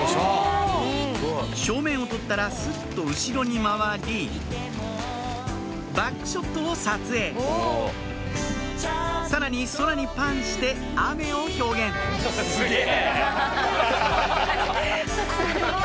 正面を撮ったらすっと後ろに回りバックショットを撮影さらに空にパンして雨を表現すげぇ！